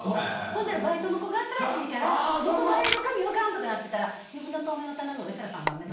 ほんだらバイトの子が新しいから元払いの紙分からんとかなってたら「右の透明の棚の上から３番目」。